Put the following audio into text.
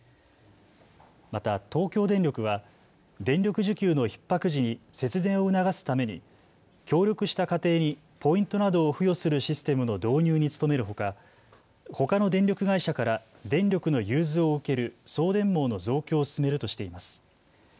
また東京電力は電力需給のひっ迫時に節電を促すために協力した家庭にポイントなどを付与するシステムの導入に努めるほかほかの電力会社から電力の融通を受ける送電網の増強を進めるとしています。